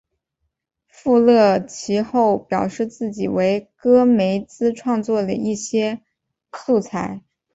富勒其后表示自己为戈梅兹创作了一些素材。